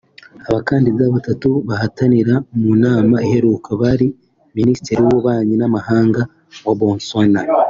Abakandida batatu bahatanaga mu nama iheruka bari Minisitiri w’Ububanyi N’amahanga wa Botswana